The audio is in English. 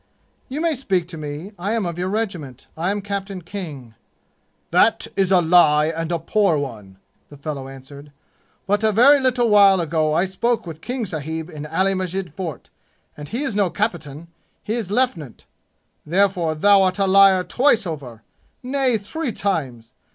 "You may speak to me. I am of your regiment. I am Captain King." "That is a lie, and a poor one!" the fellow answered. "But a very little while ago I spoke with King sahib in Ali Masjid Fort, and he is no cappitin, he is leftnant. Therefore thou art a liar twice over nay, three times!